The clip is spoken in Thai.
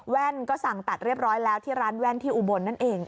แว่นก็สั่งตัดเรียบร้อยแล้วที่ร้านแว่นที่อุบลนั่นเอง